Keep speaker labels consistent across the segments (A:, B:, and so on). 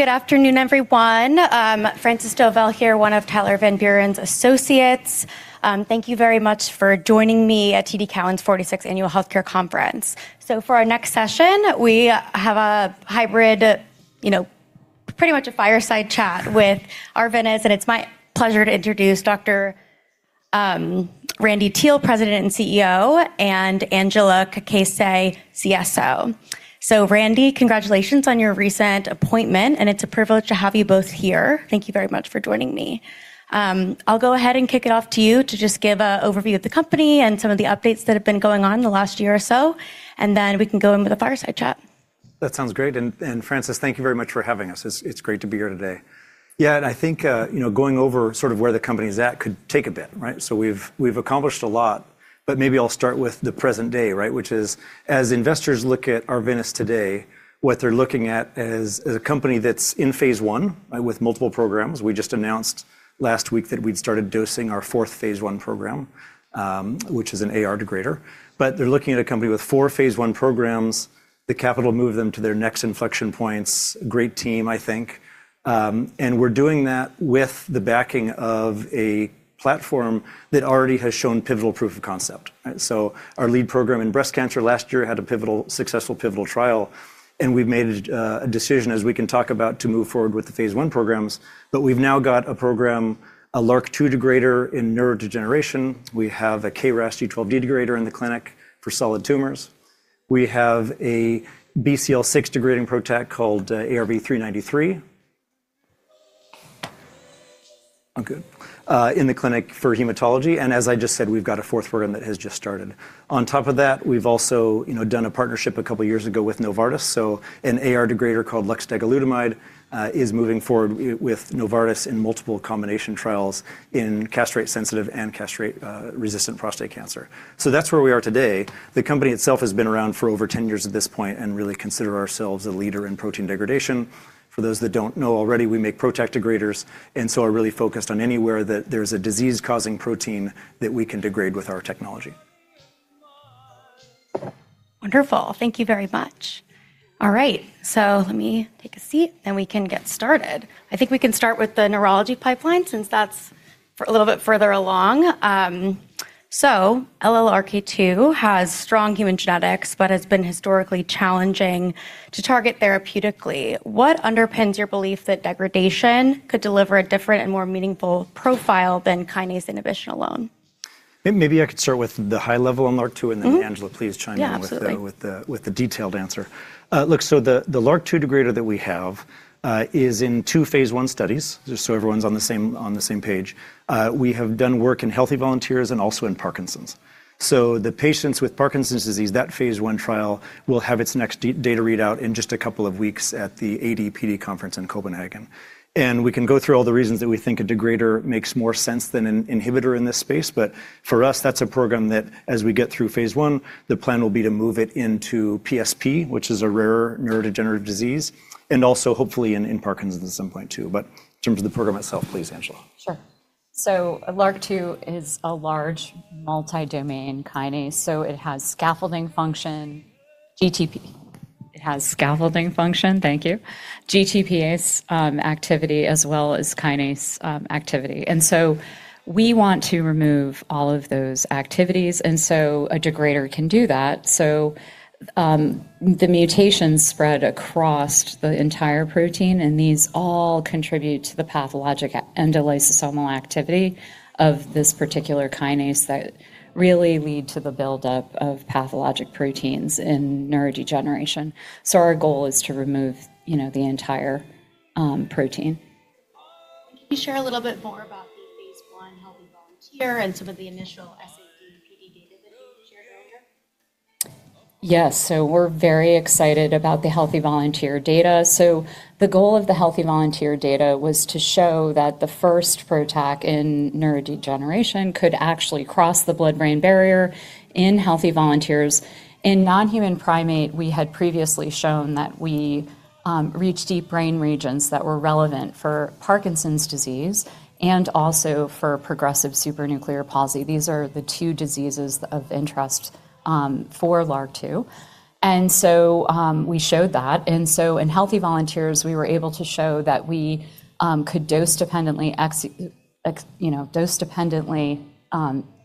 A: Good afternoon, everyone. Francesca Giallanza here, one of Tyler Van Buren's associates. Thank you very much for joining me at TD Cowen's 46th Annual Healthcare Conference. For our next session, we have a hybrid, you know, pretty much a fireside chat with Arvinas, and it's my pleasure to introduce Dr. Randy Teel, President and CEO, and Angela Cacace, CSO. Randy, congratulations on your recent appointment, and it's a privilege to have you both here. Thank you very much for joining me. I'll go ahead and kick it off to you to just give a overview of the company and some of the updates that have been going on in the last year or so, and then we can go into the fireside chat.
B: That sounds great. Frances, thank you very much for having us. It's great to be here today. I think, you know, going over sort of where the company's at could take a bit, right? We've accomplished a lot, but maybe I'll start with the present day, right? Which is, as investors look at Arvinas today, what they're looking at is a company that's in phase I with multiple programs. We just announced last week that we'd started dosing our fourth phase I program, which is an AR degrader. They're looking at a company with four phase I programs. The capital moved them to their next inflection points. Great team, I think. We're doing that with the backing of a platform that already has shown pivotal proof of concept, right? Our lead program in breast cancer last year had a successful pivotal trial, and we've made a decision, as we can talk about, to move forward with the phase I programs. We've now got a program, a LRRK2 degrader in neurodegeneration. We have a KRAS G12D degrader in the clinic for solid tumors. We have a BCL6 degrading PROTAC called ARV-393 in the clinic for hematology, and as I just said, we've got a fourth program that has just started. On top of that, we've also, you know, done a partnership a couple years ago with Novartis, so an AR degrader called luxdegalutamide is moving forward with Novartis in multiple combination trials in castrate-sensitive and castrate resistant prostate cancer. That's where we are today. The company itself has been around for over 10 years at this point and really consider ourselves a leader in protein degradation. For those that don't know already, we make PROTAC degraders and so are really focused on anywhere that there's a disease-causing protein that we can degrade with our technology.
A: Wonderful. Thank you very much. All right, let me take a seat, and we can get started. I think we can start with the neurology pipeline since that's a little bit further along. LRRK2 has strong human genetics but has been historically challenging to target therapeutically. What underpins your belief that degradation could deliver a different and more meaningful profile than kinase inhibition alone?
B: Maybe I could start with the high level on LRRK2.
A: Mm-hmm.
B: Angela, please chime in-
A: Yeah, absolutely....
B: With the detailed answer. Look, so the LRRK2 degrader that we have is in two phase I studies, just so everyone's on the same page. We have done work in healthy volunteers and also in Parkinson's. The patients with Parkinson's disease, that phase I trial will have its next data readout in just a couple of weeks at the ADPD conference in Copenhagen. We can go through all the reasons that we think a degrader makes more sense than an inhibitor in this space. For us, that's a program that as we get through phase I, the plan will be to move it into PSP, which is a rarer neurodegenerative disease, and also hopefully in Parkinson's at some point too. In terms of the program itself, please, Angela.
C: Sure. LRRK2 is a large multi-domain kinase. It has scaffolding function, GTP. It has scaffolding function, thank you, GTPase activity as well as kinase activity. We want to remove all of those activities, and so a degrader can do that. The mutations spread across the entire protein, and these all contribute to the pathologic endolysosomal activity of this particular kinase that really lead to the buildup of pathologic proteins in neurodegeneration. Our goal is to remove, you know, the entire protein.
A: Can you share a little bit more about the phase I healthy volunteer and some of the initial SAD/PD data that you shared earlier?
C: Yes. We're very excited about the healthy volunteer data. The goal of the healthy volunteer data was to show that the first PROTAC in neurodegeneration could actually cross the blood-brain barrier in healthy volunteers. In non-human primate, we had previously shown that we reached deep brain regions that were relevant for Parkinson's disease and also for progressive supranuclear palsy. These are the two diseases of interest for LRRK2. We showed that. In healthy volunteers, we were able to show that we could dose dependently, you know, dose dependently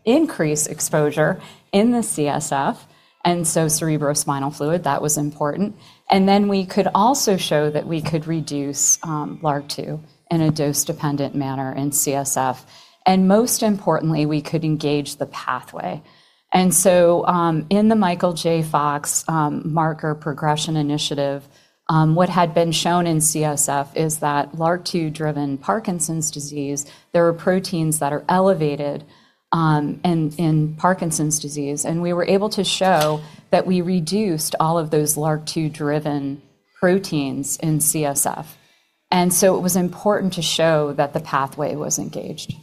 C: increase exposure in the CSF, and so cerebrospinal fluid, that was important. We could also show that we could reduce LRRK2 in a dose-dependent manner in CSF. Most importantly, we could engage the pathway. In the Michael J.-... Fox, Marker Progression Initiative, what had been shown in CSF is that LRRK2-driven Parkinson's disease, there are proteins that are elevated in Parkinson's disease, and we were able to show that we reduced all of those LRRK2-driven proteins in CSF. It was important to show that the pathway was engaged.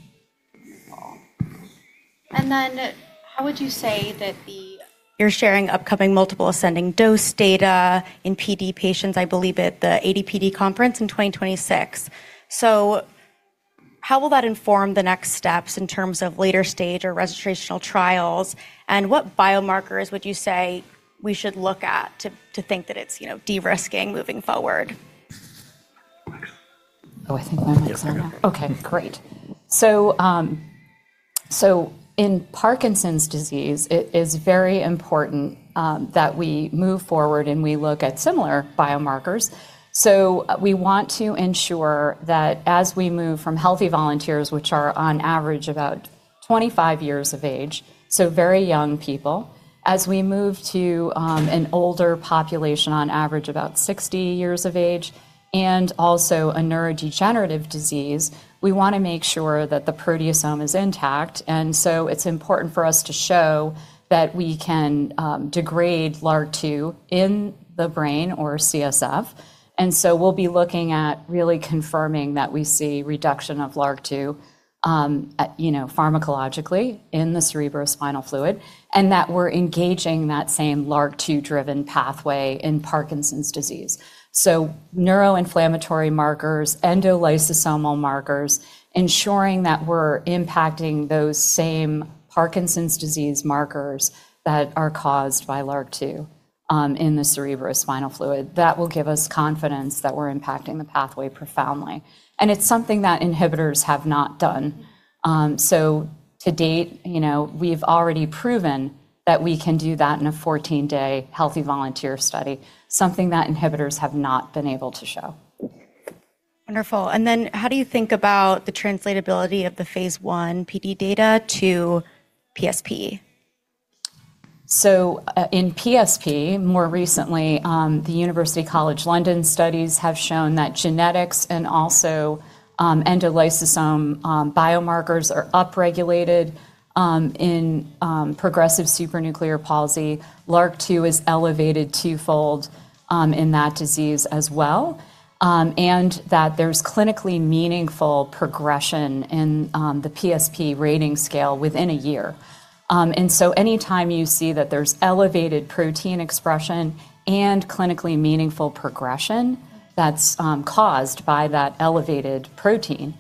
A: How would you say that you're sharing upcoming multiple ascending dose data in PD patients, I believe, at the ADPD conference in 2026? How will that inform the next steps in terms of later stage or registrational trials, and what biomarkers would you say we should look at to think that it's, you know, de-risking moving forward?
B: Next.
C: Oh, I think my mic's on now.
B: Yes, we're good.
C: Great. In Parkinson's disease, it is very important that we move forward, and we look at similar biomarkers. We want to ensure that as we move from healthy volunteers, which are on average about 25 years of age, so very young people. As we move to an older population on average about 60 years of age and also a neurodegenerative disease, we wanna make sure that the proteasome is intact. It's important for us to show that we can degrade LRRK2 in the brain or CSF. We'll be looking at really confirming that we see reduction of LRRK2, at, you know, pharmacologically in the cerebrospinal fluid, and that we're engaging that same LRRK2-driven pathway in Parkinson's disease. Neuroinflammatory markers, endolysosomal markers, ensuring that we're impacting those same Parkinson's disease markers that are caused by LRRK2 in the cerebrospinal fluid, that will give us confidence that we're impacting the pathway profoundly, and it's something that inhibitors have not done. To date, you know, we've already proven that we can do that in a 14-day healthy volunteer study, something that inhibitors have not been able to show.
A: Wonderful. How do you think about the translatability of the phase I PD data to PSP?
C: In PSP, more recently, the University College London studies have shown that genetics and also endolysosome biomarkers are upregulated in progressive supranuclear palsy. LRRK2 is elevated twofold in that disease as well, and that there's clinically meaningful progression in the PSP rating scale within a year. Anytime you see that there's elevated protein expression and clinically meaningful progression that's caused by that elevated protein,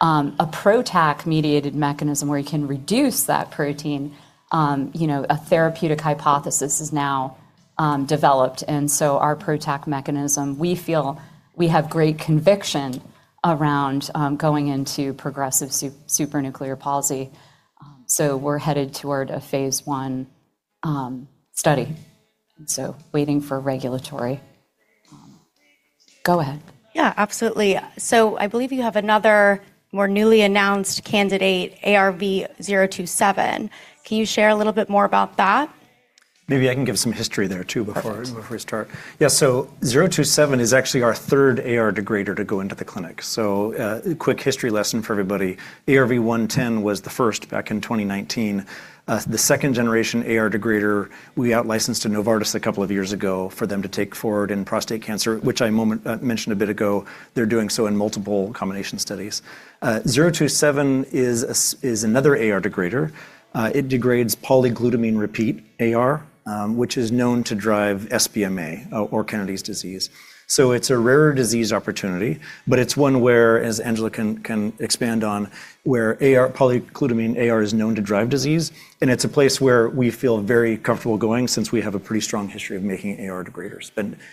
C: a PROTAC-mediated mechanism where you can reduce that protein, you know, a therapeutic hypothesis is now developed. Our PROTAC mechanism, we feel we have great conviction around going into progressive supranuclear palsy. We're headed toward a phase I study, and so waiting for regulatory. Go ahead.
A: Yeah, absolutely. I believe you have another more newly announced candidate, ARV-027. Can you share a little bit more about that?
B: Maybe I can give some history there too.
C: Perfect.
B: Before we start. Yeah. ARV-027 is actually our third AR degrader to go into the clinic. A quick history lesson for everybody. ARV-110 was the first back in 2019. The second generation AR degrader, we outlicensed to Novartis a couple of years ago for them to take forward in prostate cancer, which I mentioned a bit ago. They're doing so in multiple combination studies. ARV-027 is another AR degrader. It degrades polyglutamine repeat AR, which is known to drive SBMA or Kennedy's disease. It's a rarer disease opportunity, but it's one where, as Angela can expand on, where polyglutamine AR is known to drive disease, and it's a place where we feel very comfortable going since we have a pretty strong history of making AR degraders.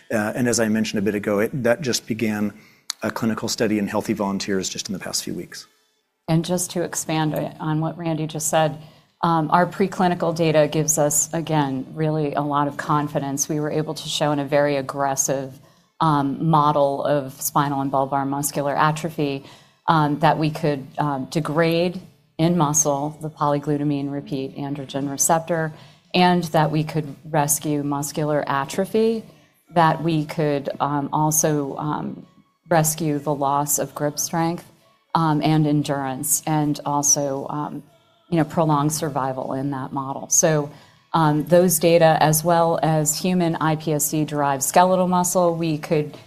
B: As I mentioned a bit ago, that just began a clinical study in healthy volunteers just in the past few weeks.
C: Just to expand on what Randy just said, our preclinical data gives us, again, really a lot of confidence. We were able to show in a very aggressive model of spinal and bulbar muscular atrophy that we could degrade in muscle the polyglutamine repeat AR, and that we could rescue muscular atrophy, that we could also rescue the loss of grip strength and endurance and also, you know, prolong survival in that model. Those data as well as human iPSC-derived skeletal muscle, we could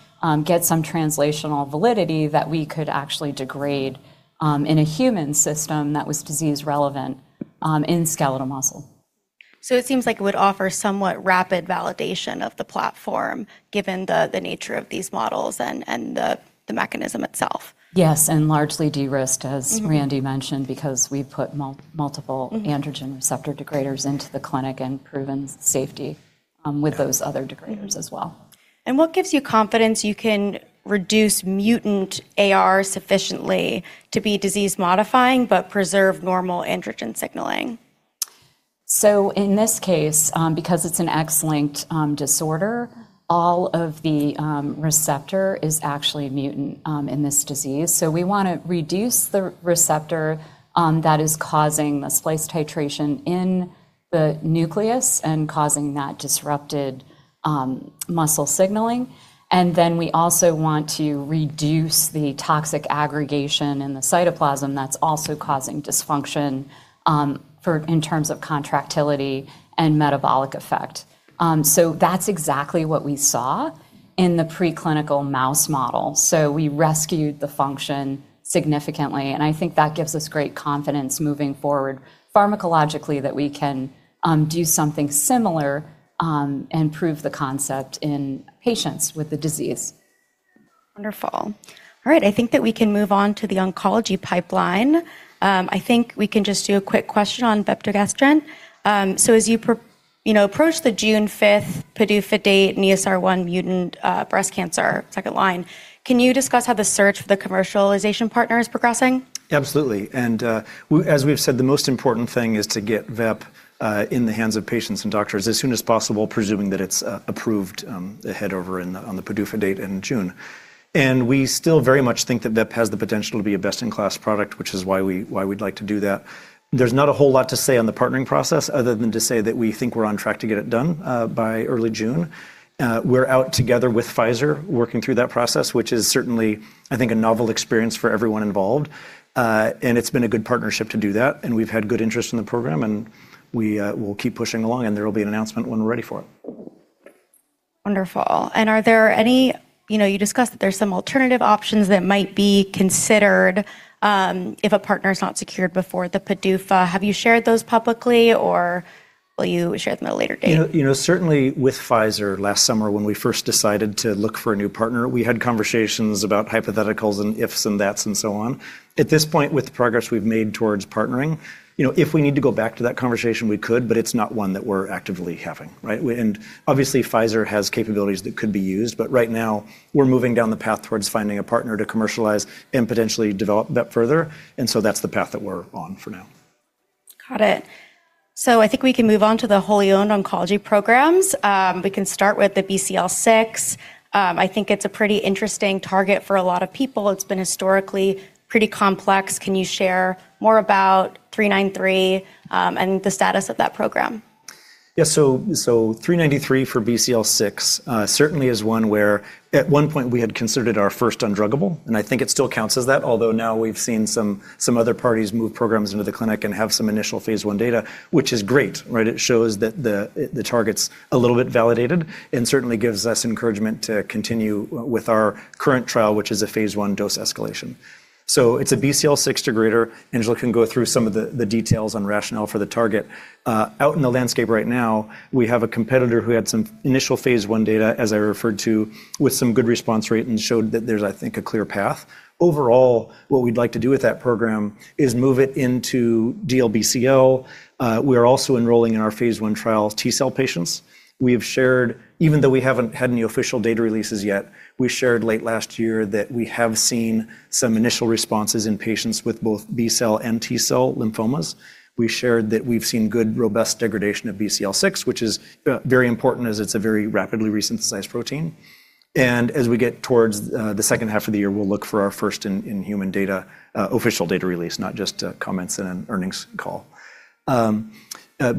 C: get some translational validity that we could actually degrade in a human system that was disease relevant in skeletal muscle.
A: It seems like it would offer somewhat rapid validation of the platform given the nature of these models and the mechanism itself.
C: Yes, largely de-risked.
A: Mm-hmm.
C: Randy mentioned, because we've put multiple-
A: Mm-hmm.....
C: androgen receptor degraders into the clinic and proven safety, with those other degraders-
A: Mm-hmm....
C: As well.
A: What gives you confidence you can reduce mutant AR sufficiently to be disease modifying but preserve normal androgen signaling?
C: In this case, because it's an X-linked disorder, all of the receptor is actually mutant in this disease. We wanna reduce the receptor that is causing the splice titration in the nucleus and causing that disrupted muscle signaling. We also want to reduce the toxic aggregation in the cytoplasm that's also causing dysfunction in terms of contractility and metabolic effect. That's exactly what we saw in the preclinical mouse model. We rescued the function significantly, and I think that gives us great confidence moving forward pharmacologically that we can do something similar and prove the concept in patients with the disease.
A: Wonderful. All right, I think that we can move on to the oncology pipeline. I think we can just do a quick question on vepdegestrant. As you know, approach the June 5th PDUFA date, ESR1 mutant, breast cancer second line, can you discuss how the search for the commercialization partner is progressing?
B: Absolutely. As we have said, the most important thing is to get vepdegestrant in the hands of patients and doctors as soon as possible, presuming that it's approved ahead over on the PDUFA date in June. We still very much think that vepdegestrant has the potential to be a best-in-class product, which is why we'd like to do that. There's not a whole lot to say on the partnering process other than to say that we think we're on track to get it done by early June. We're out together with Pfizer working through that process, which is certainly, I think, a novel experience for everyone involved. It's been a good partnership to do that, and we've had good interest in the program, and we'll keep pushing along, and there will be an announcement when we're ready for it.
A: Wonderful. You know, you discussed that there's some alternative options that might be considered, if a partner is not secured before the PDUFA. Have you shared those publicly, or will you share them at a later date?
B: You know, certainly with Pfizer last summer when we first decided to look for a new partner, we had conversations about hypotheticals and ifs and thats and so on. At this point, with the progress we've made towards partnering, you know, if we need to go back to that conversation, we could, but it's not one that we're actively having, right? Obviously, Pfizer has capabilities that could be used, but right now we're moving down the path towards finding a partner to commercialize and potentially develop that further. That's the path that we're on for now.
A: Got it. I think we can move on to the wholly owned oncology programs. We can start with the BCL6. I think it's a pretty interesting target for a lot of people. It's been historically pretty complex. Can you share more about ARV-393 and the status of that program?
B: Yeah. ARV-393 for BCL6 certainly is one where at one point we had considered our first undruggable, and I think it still counts as that. Although now we've seen some other parties move programs into the clinic and have some initial phase I data, which is great, right? It shows that the target's a little bit validated and certainly gives us encouragement to continue with our current trial, which is a phase I dose escalation. It's a BCL6 degrader. Angela can go through some of the details on rationale for the target. Out in the landscape right now, we have a competitor who had some initial phase I data, as I referred to, with some good response rate and showed that there's, I think, a clear path. Overall, what we'd like to do with that program is move it into DLBCL. We are also enrolling in our phase I trials T-cell patients. We have shared, even though we haven't had any official data releases yet, we shared late last year that we have seen some initial responses in patients with both B-cell and T-cell lymphomas. We've shared that we've seen good, robust degradation of BCL6, which is very important as it's a very rapidly resynthesized protein. As we get towards the second half of the year, we'll look for our first in human data, official data release, not just comments in an earnings call.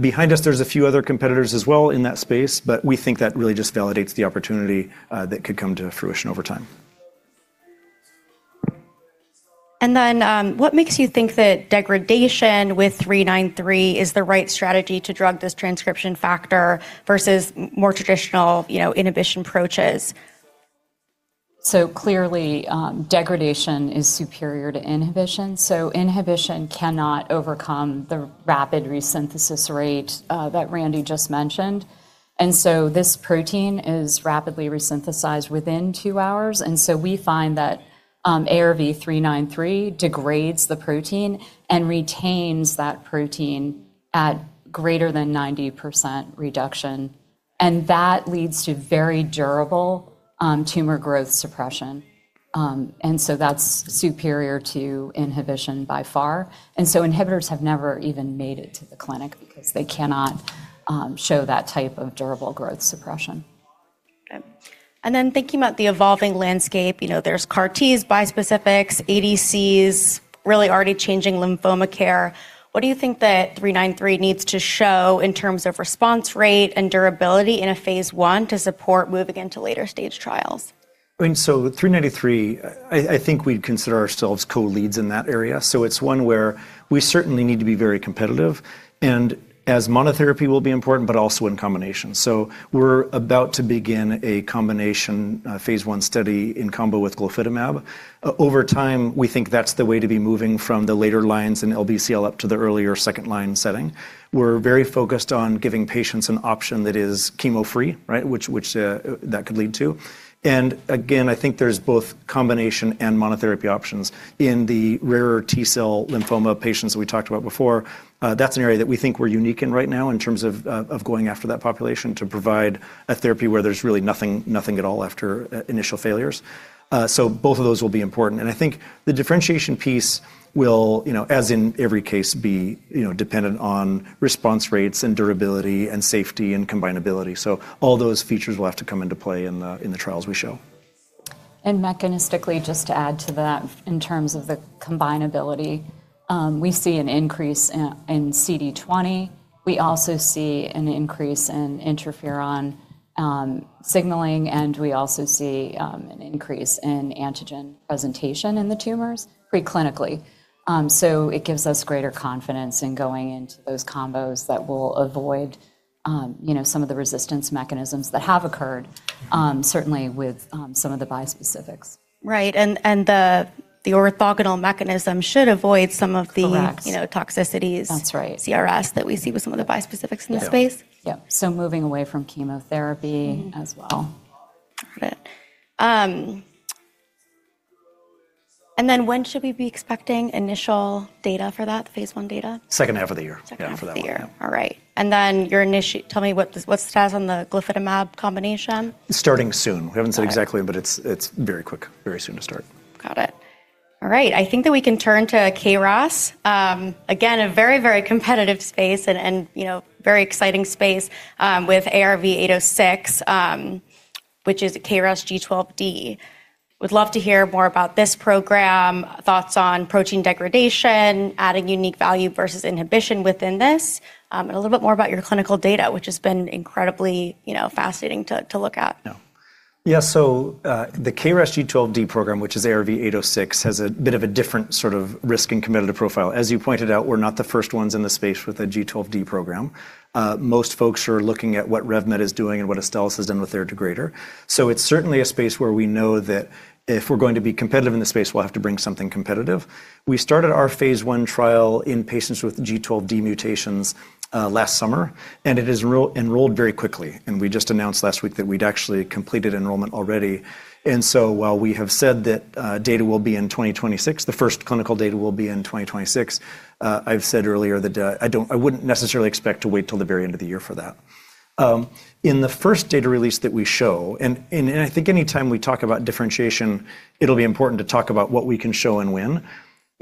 B: Behind us, there's a few other competitors as well in that space, but we think that really just validates the opportunity that could come to fruition over time.
A: What makes you think that degradation with ARV-393 is the right strategy to drug this transcription factor versus more traditional, you know, inhibition approaches?
C: Clearly, degradation is superior to inhibition. Inhibition cannot overcome the rapid resynthesis rate that Randy just mentioned. This protein is rapidly resynthesized within two hours, and so we find that ARV-393 degrades the protein and retains that protein at greater than 90% reduction, and that leads to very durable tumor growth suppression. That's superior to inhibition by far. Inhibitors have never even made it to the clinic because they cannot show that type of durable growth suppression.
A: Okay. Thinking about the evolving landscape, you know, there's CAR-T, bispecifics, ADCs really already changing lymphoma care. What do you think that ARV-393 needs to show in terms of response rate and durability in a phase I to support moving into later-stage trials?
B: I mean, ARV-393, I think we'd consider ourselves co-leads in that area, so it's one where we certainly need to be very competitive and as monotherapy will be important, but also in combination. We're about to begin a combination phase I study in combo with glofitamab. Over time, we think that's the way to be moving from the later lines in LBCL up to the earlier second-line setting. We're very focused on giving patients an option that is chemo-free, right, which that could lead to. Again, I think there's both combination and monotherapy options in the rarer T-cell lymphoma patients we talked about before. That's an area that we think we're unique in right now in terms of going after that population to provide a therapy where there's really nothing at all after initial failures. Both of those will be important. I think the differentiation piece will, you know, as in every case, be, you know, dependent on response rates and durability and safety and combinability. All those features will have to come into play in the, in the trials we show.
C: Mechanistically, just to add to that, in terms of the combinability, we see an increase in CD20. We also see an increase in interferon signaling, and we also see an increase in antigen presentation in the tumors preclinically. It gives us greater confidence in going into those combos that will avoid, you know, some of the resistance mechanisms that have occurred, certainly with some of the bispecifics.
A: Right. The orthogonal mechanism should avoid some of the-
C: Correct.
A: ...you know, toxicities-
C: That's right.
A: ...CRS that we see with some of the bispecifics in the space.
B: Yeah.
C: Yep. Moving away from chemotherapy as well.
A: Got it. Then when should we be expecting initial data for that phase I data?
B: Second half of the year.
A: Second half of the year.
B: Yeah, for that one, yeah.
A: All right. Then tell me what the, what's the status on the glofitamab combination?
B: Starting soon. We haven't said exactly, but it's very quick. Very soon to start.
A: Got it. All right. I think that we can turn to KRAS. Again, a very, very competitive space and, you know, very exciting space, with ARV-806, which is KRAS G12D. Would love to hear more about this program, thoughts on protein degradation, adding unique value versus inhibition within this, and a little bit more about your clinical data, which has been incredibly, you know, fascinating to look at.
B: Yeah. The KRAS G12D program, which is ARV-806, has a bit of a different sort of risk and competitive profile. As you pointed out, we're not the first ones in the space with a G12D program. Most folks are looking at what RevMed is doing and what Astellas has done with their degrader. It's certainly a space where we know that if we're going to be competitive in the space, we'll have to bring something competitive. We started our phase I trial in patients with G12D mutations last summer, and it is enrolled very quickly. We just announced last week that we'd actually completed enrollment already. While we have said that data will be in 2026, the first clinical data will be in 2026, I wouldn't necessarily expect to wait till the very end of the year for that. In the first data release that we show, and I think anytime we talk about differentiation, it'll be important to talk about what we can show and when.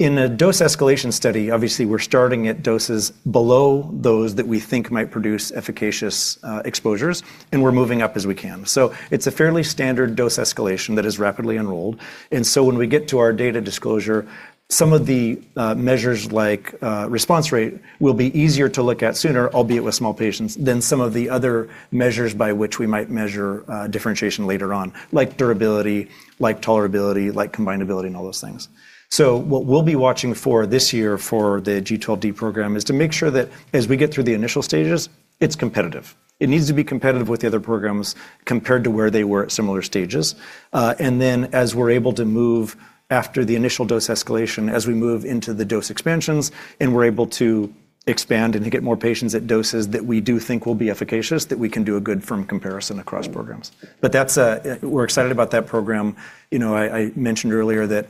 B: In a dose escalation study, obviously, we're starting at doses below those that we think might produce efficacious exposures, and we're moving up as we can. It's a fairly standard dose escalation that is rapidly enrolled. When we get to our data disclosure, some of the measures like response rate will be easier to look at sooner, albeit with small patients, than some of the other measures by which we might measure differentiation later on, like durability, like tolerability, like combinability, and all those things. What we'll be watching for this year for the G12D program is to make sure that as we get through the initial stages, it's competitive. It needs to be competitive with the other programs compared to where they were at similar stages. Then as we're able to move after the initial dose escalation, as we move into the dose expansions and we're able to expand and to get more patients at doses that we do think will be efficacious, that we can do a good firm comparison across programs. That's, we're excited about that program. You know, I mentioned earlier that,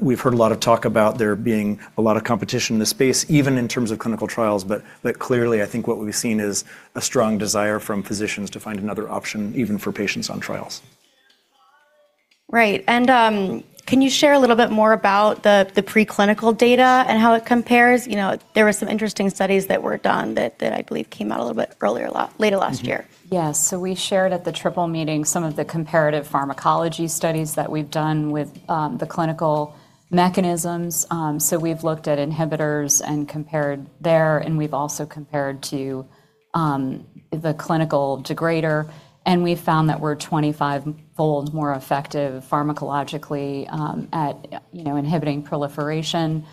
B: we've heard a lot of talk about there being a lot of competition in the space, even in terms of clinical trials, but clearly, I think what we've seen is a strong desire from physicians to find another option, even for patients on trials.
A: Right. Can you share a little bit more about the preclinical data and how it compares? You know, there were some interesting studies that were done that I believe came out a little bit earlier, late last year.
C: Yes. We shared at the Triple Meeting some of the comparative pharmacology studies that we've done with the clinical mechanisms. We've looked at inhibitors and compared there, and we've also compared to the clinical degrader, and we found that we're 25-fold more effective pharmacologically at, you know, inhibiting proliferation.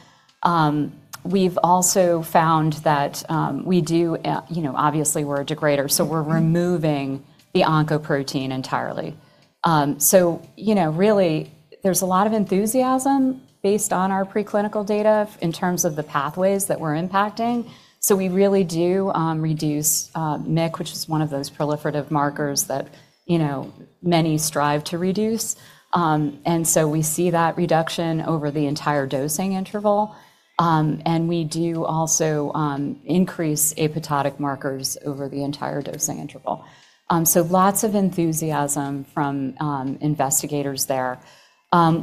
C: We've also found that we do, you know, obviously we're a degrader, so we're removing the oncoprotein entirely. You know, really there's a lot of enthusiasm based on our preclinical data in terms of the pathways that we're impacting. We really do reduce Myc, which is one of those proliferative markers that, you know, many strive to reduce. We see that reduction over the entire dosing interval. We do also increase apoptotic markers over the entire dosing interval. Lots of enthusiasm from investigators there.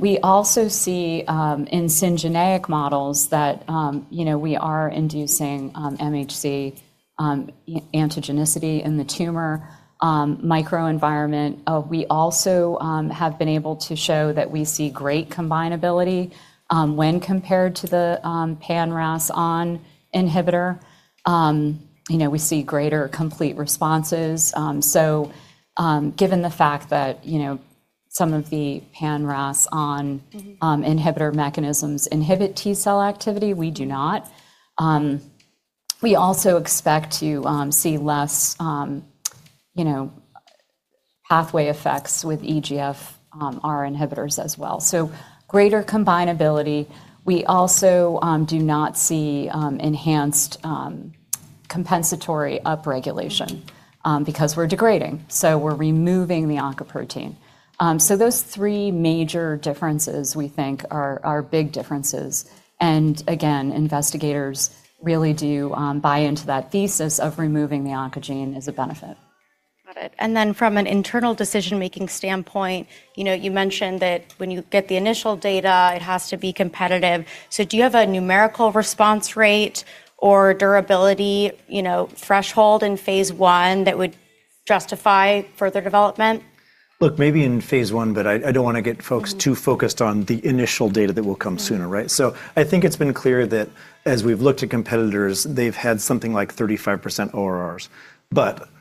C: We also see, in syngeneic models that, you know, we are inducing MHC antigenicity in the tumor microenvironment. We also have been able to show that we see great combinability when compared to the pan-RAS(ON) inhibitor. You know, we see greater complete responses. Given the fact that, you know, some of the pan-RAS(ON)-
A: Mm-hmm....
C: Inhibitor mechanisms inhibit T-cell activity, we do not. We also expect to see less, you know, pathway effects with EGFR inhibitors as well. Greater combinability. We also do not see enhanced compensatory upregulation, because we're degrading, so we're removing the oncoprotein. Those three major differences, we think, are big differences. Again, investigators really do buy into that thesis of removing the oncogene as a benefit.
A: Got it. From an internal decision-making standpoint, you know, you mentioned that when you get the initial data, it has to be competitive. Do you have a numerical response rate or durability, you know, threshold in phase I that would justify further development?
B: Maybe in phase I, but I don't wanna get folks too focused on the initial data that will come sooner, right? I think it's been clear that as we've looked at competitors, they've had something like 35% ORRs.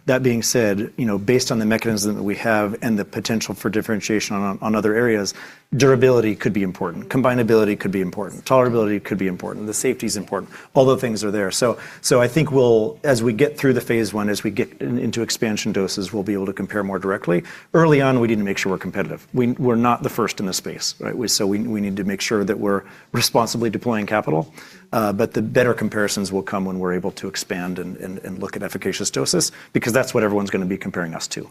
B: That being said, you know, based on the mechanism that we have and the potential for differentiation on other areas, durability could be important, combinability could be important, tolerability could be important, the safety's important. All those things are there. I think as we get through the phase I, as we get into expansion doses, we'll be able to compare more directly. Early on, we need to make sure we're competitive. We're not the first in the space, right? We need to make sure that we're responsibly deploying capital. The better comparisons will come when we're able to expand and look at efficacious doses because that's what everyone's gonna be comparing us to.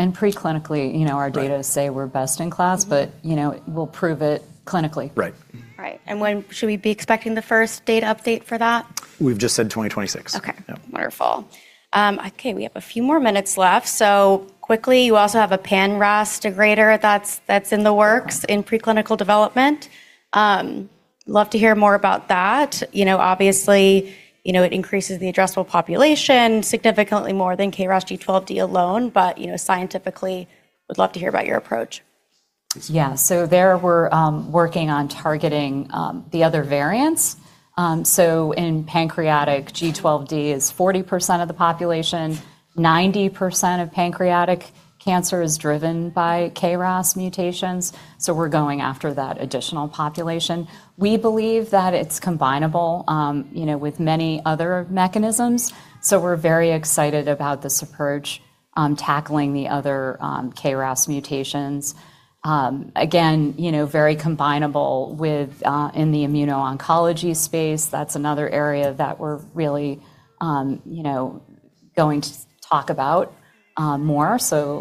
C: Preclinically, you know, our data-.
B: Right....
C: say we're best in class, but, you know, we'll prove it clinically.
B: Right.
A: Right. When should we be expecting the first data update for that?
B: We've just said 2026.
A: Okay.
B: Yeah.
A: Wonderful. Okay, we have a few more minutes left. Quickly, you also have a pan-RAS degrader that's in the works in preclinical development. Love to hear more about that. You know, obviously, you know, it increases the addressable population significantly more than KRAS G12D alone, but, you know, scientifically would love to hear about your approach.
C: Yeah. There we're working on targeting the other variants. In pancreatic, G12D is 40% of the population. 90% of pancreatic cancer is driven by KRAS mutations, so we're going after that additional population. We believe that it's combinable, you know, with many other mechanisms, so we're very excited about this approach, tackling the other KRAS mutations. Again, you know, very combinable with in the immuno-oncology space. That's another area that we're really, you know, going to talk about more.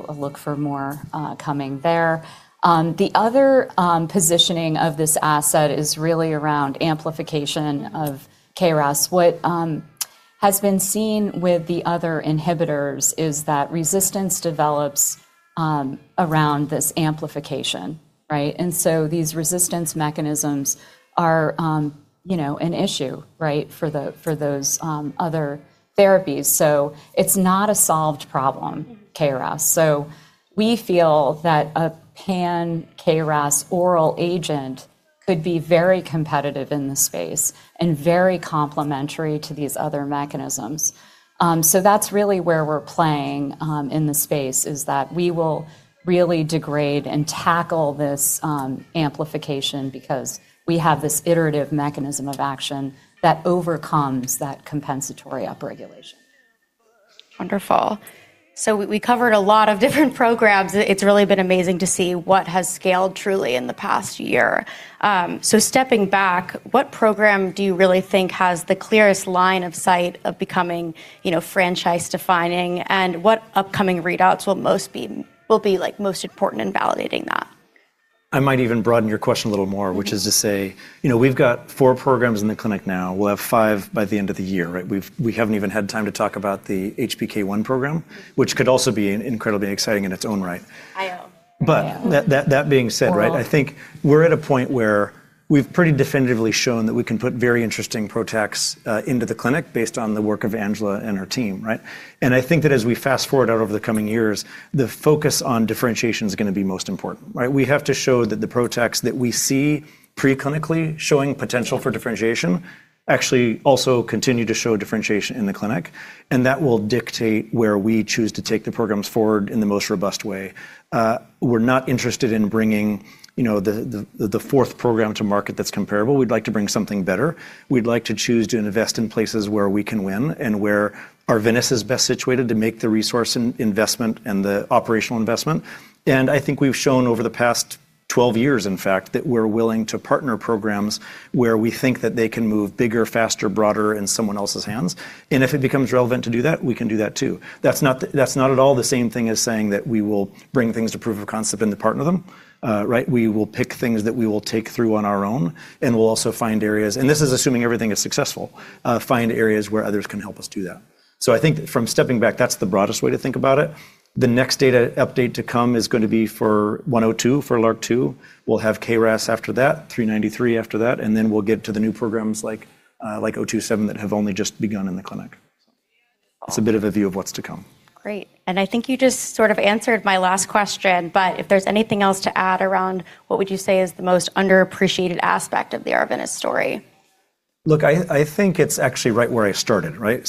C: Look for more coming there. The other positioning of this asset is really around amplification of KRAS. What has been seen with the other inhibitors is that resistance develops around this amplification, right? These resistance mechanisms are, you know, an issue, right, for those, other therapies. It's not a solved problem.
A: Mm-hmm.
C: KRAS. We feel that a pan-KRAS oral agent could be very competitive in this space and very complementary to these other mechanisms. That's really where we're playing, in the space, is that we will really degrade and tackle this amplification because we have this iterative mechanism of action that overcomes that compensatory upregulation.
A: Wonderful. We covered a lot of different programs. It's really been amazing to see what has scaled truly in the past year. Stepping back, what program do you really think has the clearest line of sight of becoming, you know, franchise-defining, and what upcoming readouts will be, like, most important in validating that?
B: I might even broaden your question a little more-
A: Mm-hmm...
B: which is to say, you know, we've got four programs in the clinic now. We'll have five by the end of the year, right? We haven't even had time to talk about the HPK1 program, which could also be incredibly exciting in its own right.
A: I know. Yeah.
B: That being said-
A: Well-...
B: I think we're at a point where we've pretty definitively shown that we can put very interesting PROTACs into the clinic based on the work of Angela and her team, right? I think that as we fast-forward out over the coming years, the focus on differentiation is gonna be most important, right? We have to show that the PROTACs that we see preclinically showing potential for differentiation actually also continue to show differentiation in the clinic, and that will dictate where we choose to take the programs forward in the most robust way. We're not interested in bringing, you know, the fourth program to market that's comparable. We'd like to bring something better. We'd like to choose to invest in places where we can win, and where Arvinas is best situated to make the resource in-investment and the operational investment. I think we've shown over the past 12 years, in fact, that we're willing to partner programs where we think that they can move bigger, faster, broader in someone else's hands. If it becomes relevant to do that, we can do that too. That's not at all the same thing as saying that we will bring things to proof of concept and then partner them, right? We will pick things that we will take through on our own, and we'll also. This is assuming everything is successful, find areas where others can help us do that. I think from stepping back, that's the broadest way to think about it. The next data update to come is gonna be for ARV-102, for LRRK2. We'll have KRAS after that, ARV-393 after that, then we'll get to the new programs like ARV-027 that have only just begun in the clinic. It's a bit of a view of what's to come.
A: Great. I think you just sort of answered my last question, but if there's anything else to add around what would you say is the most underappreciated aspect of the Arvinas story?
B: Look, I think it's actually right where I started, right?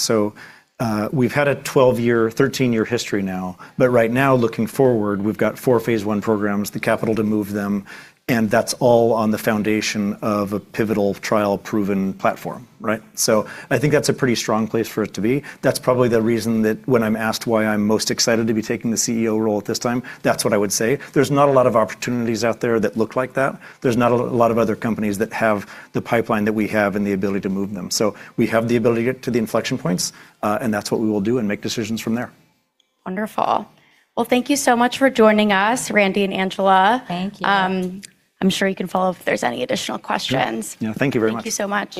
B: We've had a 12-year, 13-year history now, but right now looking forward, we've got four phase I programs, the capital to move them, and that's all on the foundation of a pivotal trial-proven platform, right? I think that's a pretty strong place for it to be. That's probably the reason that when I'm asked why I'm most excited to be taking the CEO role at this time, that's what I would say. There's not a lot of opportunities out there that look like that. There's not a lot of other companies that have the pipeline that we have and the ability to move them. We have the ability to the inflection points, and that's what we will do and make decisions from there.
A: Wonderful. Well, thank you so much for joining us, Randy and Angela.
C: Thank you.
A: I'm sure you can follow up if there's any additional questions.
B: Yeah. No, thank you very much.
A: Thank you so much.